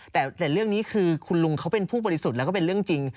แต่เรื่องนี้คือคุณลุงเขาเป็นผู้บริสุทธิ์แล้วก็เป็นเรื่องจริง